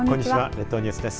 列島ニュースです。